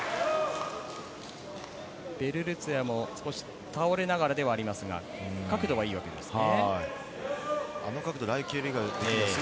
ベルルツェワも、少し倒れながらではありますが、角度はいいわけですね。